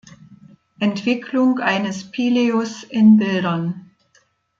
Entwicklung eines Pileus in Bildern